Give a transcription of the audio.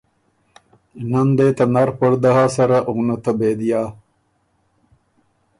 نۀ ن دې ته نر پړدۀ هۀ سره او نۀ ته بېدیا۔